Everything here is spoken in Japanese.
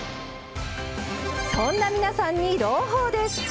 そんな皆さんに朗報です！